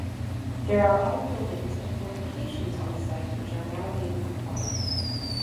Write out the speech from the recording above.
There are other buildings and fortifications on the site which are now being uncovered.